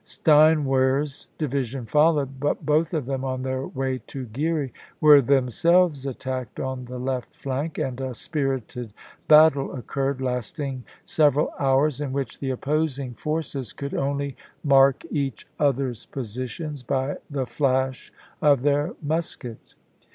Steinwehr's division followed, but both of them on their way to Geary were themselves attacked on the left flank, and a spirited battle occurred, lasting several hours, in which the opposing forces could only mark each CHATTANOOGA 127 other's positions by the flash of their muskets.